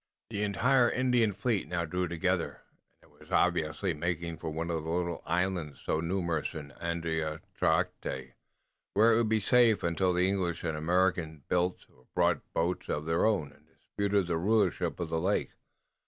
The entire Indian fleet now drew together, and it was obviously making for one of the little islands, so numerous in Andiatarocte, where it would be safe until the English and Americans built or brought boats of their own and disputed the rulership of the lake.